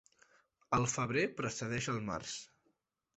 El febrer precedeix el març.